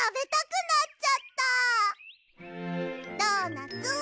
ドーナツ